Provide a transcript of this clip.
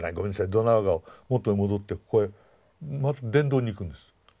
ドナウ川を元に戻ってここへまた伝道に行くんです。